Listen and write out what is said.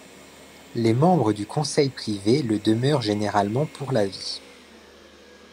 Les membres du Conseil Privé le demeurent généralement pour la vie.